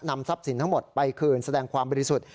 ทรัพย์สินทั้งหมดไปคืนแสดงความบริสุทธิ์